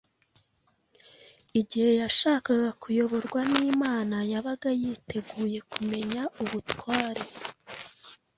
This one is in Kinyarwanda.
Igihe yashakaga kuyoborwa n’Imana yabaga yiteguye kumenya ubutware